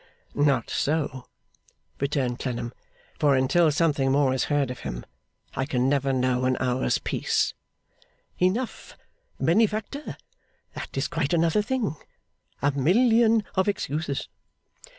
'Not so,' returned Clennam; 'for until something more is heard of him, I can never know an hour's peace.' 'Enough, Benefactor; that is quite another thing. A million of excuses!